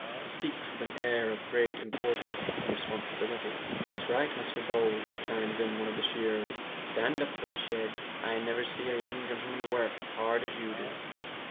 He speaks with an air of great importance and responsibility. "That's right, Mr Bowles," chimes in one of the shearers, "stand up for the shed. I never see a young gentleman work as hard as you do."